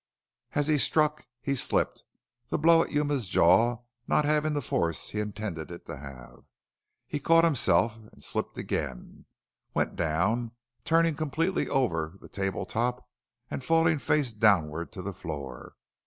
As he struck he slipped, the blow at Yuma's jaw not having the force he intended it to have. He caught himself, slipped again and went down, turning completely over the table top and falling face downward to the floor.